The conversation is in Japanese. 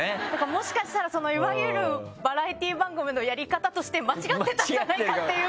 もしかしたらいわゆるバラエティー番組のやり方として間違ってたんじゃないかっていう。